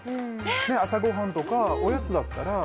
朝ごはんとか、おやつなら。